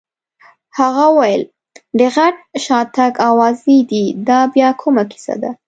هغه وویل: د غټ شاتګ اوازې دي، دا بیا کومه کیسه ده؟